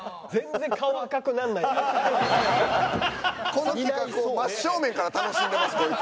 この企画を真っ正面から楽しんでますこいつ。